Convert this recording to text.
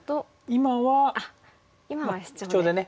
今はシチョウで。